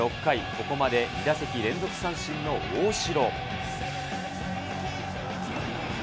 ここまで２打席連続三振の大城。